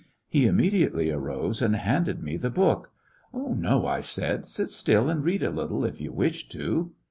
He immediately arose and handed me the book. "No," I said ; "sit still and read a little, if you wish to."